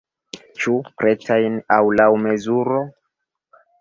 Ĉu pretajn aŭ laŭ mezuro?